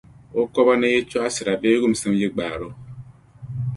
O kɔba ni yi chɔɣisira bee wumsim yi gbaari o.